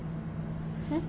えっ？